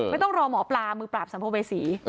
ไม่ต้องรอหมอปลามือปราบสัมภัยศรี